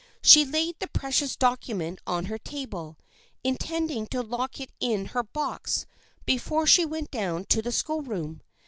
She laid the precious document on her table, in tending to lock it in her box before she went down to the schoolroom.